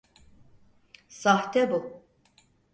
Sahte bu.